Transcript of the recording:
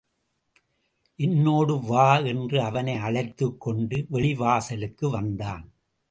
என்னோடு வா என்று அவனை அழைத்துக் கொண்டு, வெளிவாசலுக்கு வந்தான்.